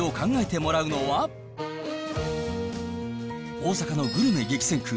大阪のグルメ激戦区